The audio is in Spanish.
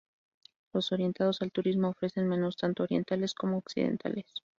Los orientados al turismo ofrecen menús tanto orientales como occidentales.